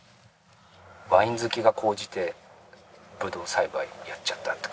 ワイン好きが高じてブドウ栽培やっちゃったって感じですね。